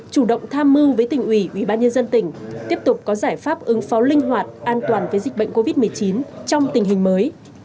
chủ động tham mưu với tỉnh ủy bí nhân dân tỉnh tiếp tục có giải pháp ứng phó linh hoạt an toàn với dịch bệnh covid một mươi chín trong tình hình mới